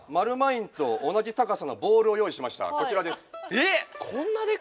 こちらです。